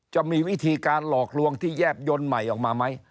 จะมีวิธีการหลอกลวงที่แยบยนต์ใหม่ออกมาไหม